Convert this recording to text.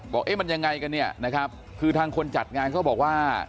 เอ๊ะมันยังไงกันเนี่ยนะครับคือทางคนจัดงานเขาบอกว่า